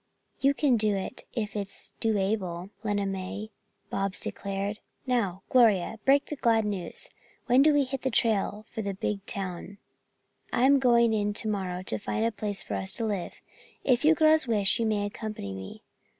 "You can do it, if it's do able, Lena May," Bobs declared. "Now, Gloria, break the glad news! When do we hit the trail for the big town?" "I'm going in tomorrow to find a place for us to live. If you girls wish, you may accompany me."